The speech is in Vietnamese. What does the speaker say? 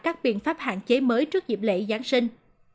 các biện pháp hạn chế mới trước dịp lễ giáng sinh